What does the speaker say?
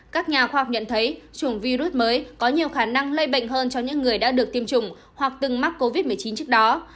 các nhà khoa học nhận thấy chủng virus mới có nhiều khả năng lây bệnh hơn cho những người đã được tiêm chủng hoặc từng mắc covid một mươi chín trước đó